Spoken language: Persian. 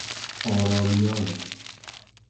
آرامیان